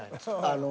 あの。